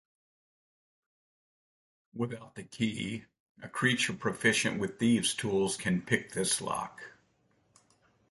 Without the key, a creature proficient with thieves’ tools can pick this lock